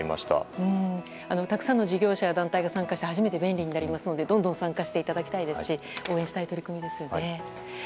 たくさんの事業者や団体が参加して便利になりますのでどんどん参加していただきたいですし応援したい取り組みですよね。